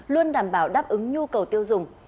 luôn đảm bảo đáp ứng nhu cầu tiêu dùng